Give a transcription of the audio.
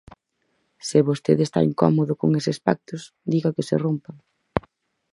Se vostede está incómodo con eses pactos, diga que se rompan.